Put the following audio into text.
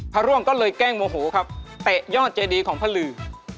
ร่วงก็เลยแกล้งโมโหครับเตะยอดเจดีของพระลือ